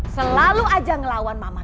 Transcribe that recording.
selalu aja ngelawan mama